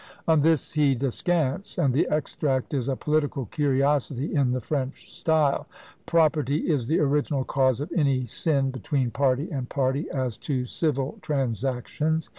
On this he descants; and the extract is a political curiosity in the French style! "Property is the original cause of any sin between party and party as to civil transactions.